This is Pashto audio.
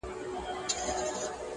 ماسومان له هغه ځایه وېرېږي تل،